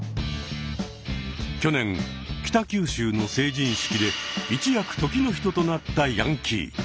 去年北九州の成人式で一躍時の人となったヤンキー。